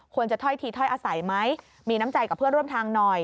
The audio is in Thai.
ถ้อยทีถ้อยอาศัยไหมมีน้ำใจกับเพื่อนร่วมทางหน่อย